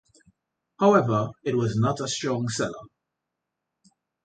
However, it was not a strong seller.